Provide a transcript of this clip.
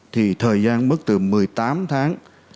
thì thời gian mất từ một mươi tám tháng